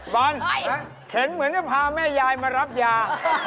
บอลเข็นเหมือนจะพาแม่ยายมารับยา